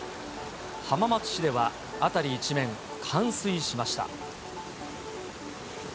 浜松市では、辺り一面、冠水しました。